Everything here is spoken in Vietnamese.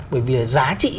bởi vì là giá trị